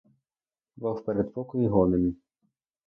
Бо в передпокої гомін.